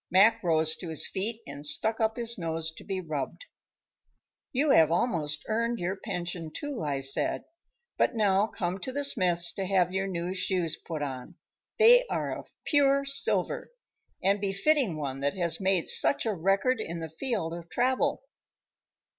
Mac rose to his feet and stuck up his nose to be rubbed. "You have almost earned your pension, too," I said. "But now come to the smith's to have your new shoes put on. They are of pure silver, and befitting one that has made such a record in the field of travel."